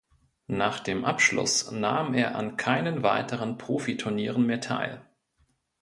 Nach dem Abschluss nahm er an keinen weiteren Profiturnieren mehr teil.